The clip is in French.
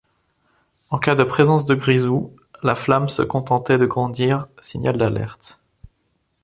En cas de présence de grisou, la flamme se contentait de grandir, signal d’alerte.